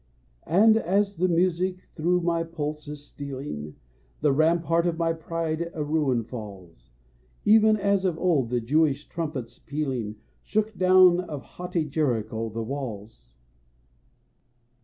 And as the music through my pulse is stealing, The rampart of my pride a ruin falls, Even as of old the Jewish trumpets' pealing Shook down of haughty Jericho the walls.